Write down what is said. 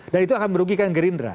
dan itu akan merugikan gerindra